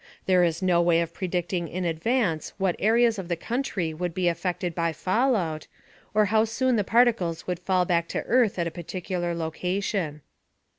There is no way of predicting in advance what areas of the country would be affected by fallout, or how soon the particles would fall back to earth at a particular location.